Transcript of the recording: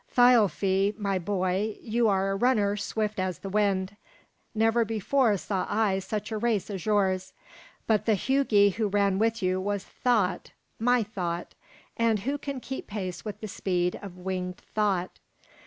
Thialfi, my boy, you are a runner swift as the wind. Never before saw I such a race as yours. But the Hugi who ran with you was Thought, my thought. And who can keep pace with the speed of winged thought?